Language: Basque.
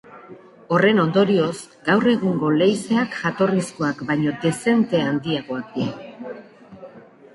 Horren ondorioz gaur egungo leizeak jatorrizkoak baino dezente handiagoak dira.